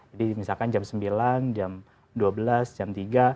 jadi misalkan jam sembilan jam dua belas jam tiga